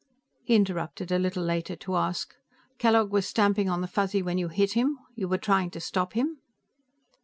He interrupted a little later to ask: "Kellogg was stamping on the Fuzzy when you hit him. You were trying to stop him?"